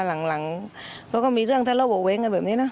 จนมาหลังเขาก็มีเรื่องถ้าเราบอกไว้กันแบบนี้นะ